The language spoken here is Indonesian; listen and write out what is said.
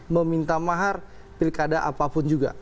meminta mahar pilkada apapun juga